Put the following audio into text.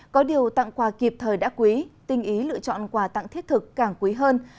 có điều tặng quà kịp thời đã quý tinh ý lựa chọn quà tặng thiết thực càng quý hơn